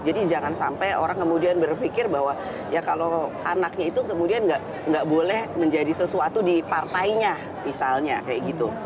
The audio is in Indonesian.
jadi orang kemudian berpikir bahwa ya kalau anaknya itu kemudian nggak boleh menjadi sesuatu di partainya misalnya kayak gitu